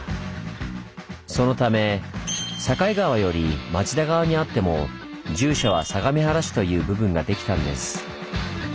そのため境川より町田側にあっても住所は相模原市という部分ができたんです。